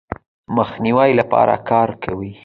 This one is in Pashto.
مخنیوي لپاره کار کوي.